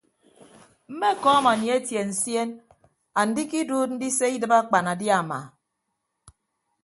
Mmekọọm anietie nsien andikiduud ndise idịb akpanadiama.